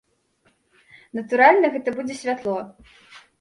Натуральна, гэта будзе святло!